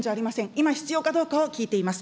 今必要かどうかを聞いています。